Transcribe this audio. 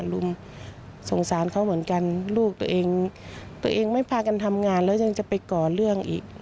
ลุงสงสารเขาเหมือนกันลูกตัวเองตัวเองไม่พากันทำงานแล้วยังจะไปก่อเรื่องอีก